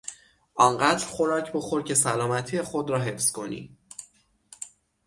آنقدر خوراک بخور که سلامتی خود را حفظ کنی.